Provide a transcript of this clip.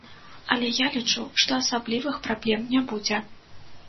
Але я лічу, што асаблівых праблем не будзе.